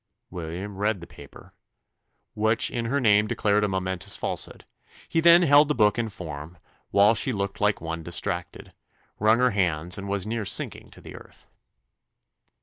William read the paper, which in her name declared a momentous falsehood: he then held the book in form, while she looked like one distracted wrung her hands, and was near sinking to the earth.